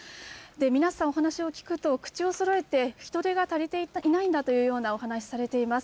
皆さん、お話を聞くと、口をそろえて、人手が足りていないんだというようなお話されています。